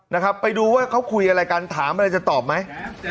นะครับไปดูว่าเขาคุยอะไรกันถามอะไรจะตอบไหม